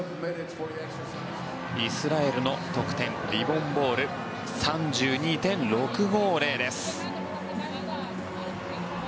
イスラエルの得点リボン・ボール３２．６５０です。